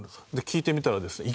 聞いてみたらですね